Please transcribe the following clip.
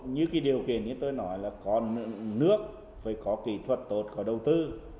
như cái điều kiện như tôi nói là có nước phải có kỹ thuật tốt có đầu tư